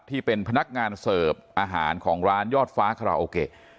ที่เป็นพนักงานเสิร์ฟอาหารของร้านยอดฟ้าคาราโอเกะ